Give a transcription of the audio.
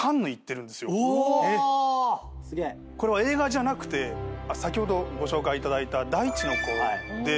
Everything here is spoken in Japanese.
これは映画じゃなくて先ほどご紹介いただいた『大地の子』で。